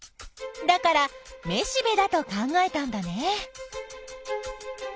だからめしべだと考えたんだね。